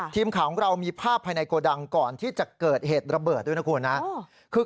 ทีมข่าวของเรามีภาพภายในโกดังก่อนที่จะเกิดเหตุระเบิดด้วยนะคุณนะ